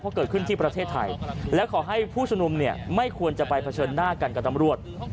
เพราะเกิดขึ้นที่ประเทศไทยและขอให้ผู้ชุมนุมเนี่ยไม่ควรจะไปเผชิญหน้ากันกับตำรวจ